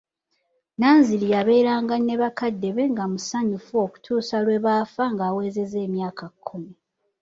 Nanziri yabeeranga ne bakadde be nga musanyufu okutuusa lwe baafa ng'awezezza emyaka kkumi.